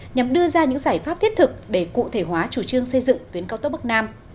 nhằm đưa ra những giải pháp thiết thực để cụ thể hóa chủ trương xây dựng tuyến cao tốc bắc nam